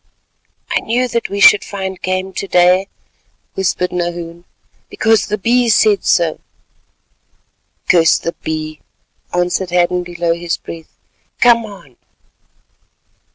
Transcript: "I knew that we should find game to day," whispered Nahoon, "because the Bee said so." "Curse the Bee," answered Hadden below his breath. "Come on."